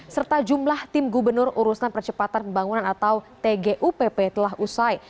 serta jumlah tim gubernur urusan percepatan pembangunan atau tgupp telah usai